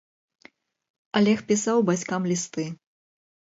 Алег пісаў бацькам лісты.